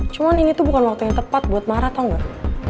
cuman ini tuh bukan waktu yang tepat buat marah tau gak